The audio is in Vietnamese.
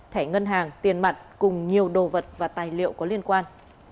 thẻ ngân hàng tiền mặt cùng nhiều đồ vật và tài liệu có liên quan